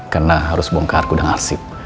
karena harus bongkar gudang arsip